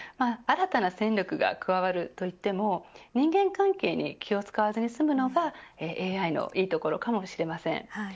新たな戦力が加わると言っても人間関係に気を使わずに済むのがＡＩのいいところかもしれません。